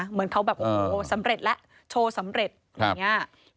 เหมือนเขาแบบโอ้โหสำเร็จแล้วโชว์สำเร็จอย่างนี้